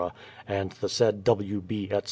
and the said W. B., etc.